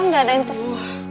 gak ada yang ter